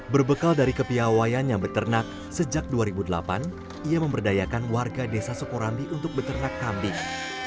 berbekal dari kepiawayaannya beternak sejak dua ribu delapan ia memberdayakan warga desa sukorambi untuk beternak kambing